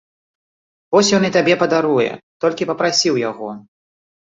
Вось ён і табе падаруе, толькі папрасі ў яго.